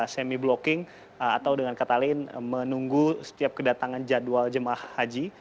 semi blocking atau dengan kata lain menunggu setiap kedatangan jadwal jemaah haji